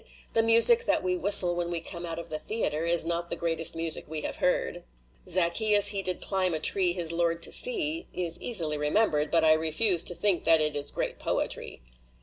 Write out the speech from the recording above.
"The music that we whistle when we come out of the theater is not the greatest music we have heard. "Zaccheus he Did climb a tree His Lord to see is easily remembered. But I refuse to think that it is great poetry.